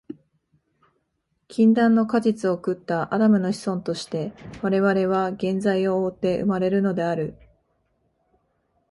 禁断の果実を食ったアダムの子孫として、我々は原罪を負うて生まれるのである。